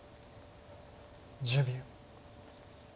１０秒。